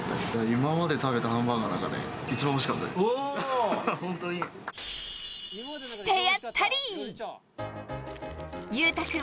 今まで食べたハンバーガーの中で、一番おいしかったです。